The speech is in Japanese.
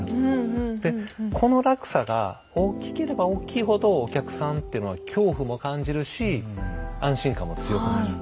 でこの落差が大きければ大きいほどお客さんっていうのは恐怖も感じるし安心感も強くなる。